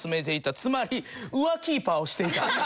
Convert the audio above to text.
つまり浮キーパーをしていた。